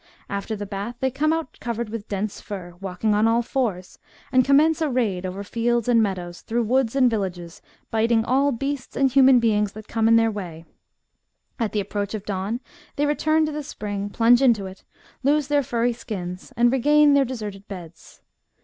After the bath, they come out covered with dense fur, walking on all fours, and commence a raid over fields and meadows, through woods and villages, biting all beasts and human beings that come in their way. At 106 THE BOOK OF WERE WOLVES. the approach of dawn, they return to the spring, plunge into it, lose their furry skins, and regain their deserted beds.